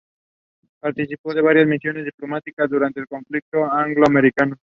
Participó de varias misiones diplomáticas durante el conflicto anglo-americano.